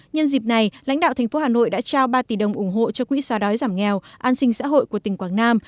nhân dịp này lãnh đạo thành phố hà nội đã trao ba tỷ đồng ủng hộ cho quỹ xóa đói giảm nghèo an sinh xã hội của tỉnh quảng nam